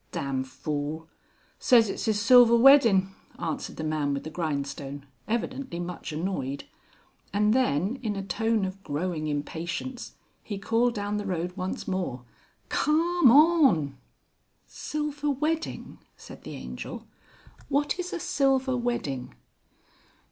"Dam fool!... say's it's 'is silver weddin'," answered the man with the grindstone, evidently much annoyed; and then, in a tone of growing impatience, he called down the road once more; "Carm on!" "Silver wedding!" said the Angel. "What is a silver wedding?"